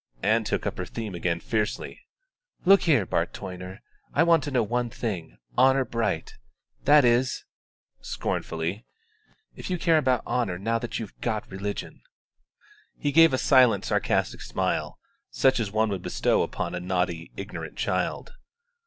Ann took up her theme again fiercely. "Look here, Bart Toyner; I want to know one thing, honour bright that is," scornfully, "if you care about honour now that you've got religion." He gave a silent sarcastic smile, such as one would bestow upon a naughty, ignorant child.